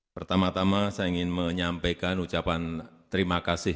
pertama tama saya ingin menyampaikan ucapan terima kasih